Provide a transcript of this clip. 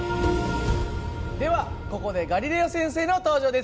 ではここでガリレオ先生の登場です。